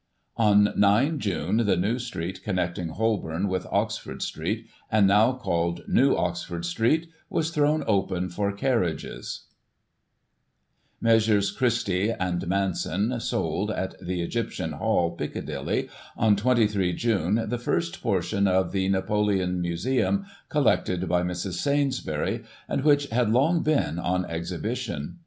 " On 9 June, the new street connecting Holborn with Oxford Street, and now called New Oxford Street, was thrown open for carriages. Messrs. Christie and Manson sold, at the Egyptian Hall, Piccadilly, on 23 June, the first portion of the "Napoleon Museum," collected by Mrs. Sainsbury, and which had long Digiti ized by Google 1 845] NELSON'S CLOTHES. 269 been on exhibition.